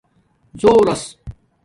ذݸروس